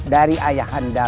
dari ayah anda